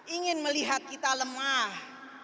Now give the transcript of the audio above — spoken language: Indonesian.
ingin melihat kita lemah